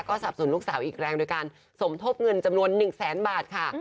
สับสนลูกสาวอีกแรงโดยการสมทบเงินจำนวน๑แสนบาทค่ะ